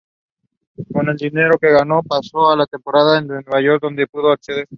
Con el dinero que ganó, pasó una temporada en Nueva York, donde pudo acceder.